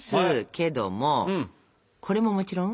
けどもこれももちろん？